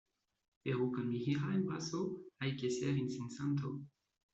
pero con mi hija en brazos. hay que ser insensato